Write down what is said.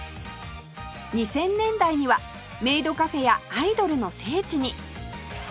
２０００年代にはメイドカフェやアイドルの聖地に